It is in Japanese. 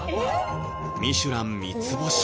ミシュラン３つ星